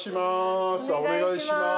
お願いします。